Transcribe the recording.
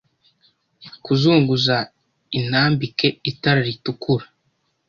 kuzunguza intambike itara ritukura